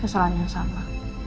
kesalahan yang sama